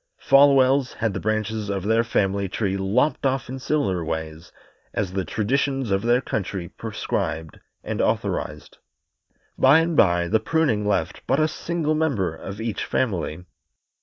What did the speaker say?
Folwells had the branches of their family tree lopped off in similar ways, as the traditions of their country prescribed and authorized. By and by the pruning left but a single member of each family.